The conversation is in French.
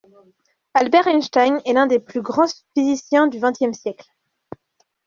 Albert Einstein est l’un des plus grands physiciens du vingtième siècle.